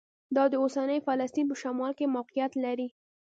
دا د اوسني فلسطین په شمال کې موقعیت لري.